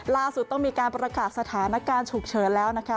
ล่าสุดต้องมีการประกาศสถานการณ์ฉุกเฉินแล้วนะคะ